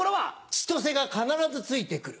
チトセが必ずついて来る。